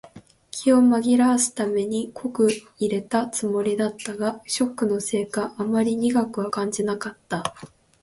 気を紛らわすために濃く淹れたつもりだったが、ショックのせいかあまり苦くは感じなかった。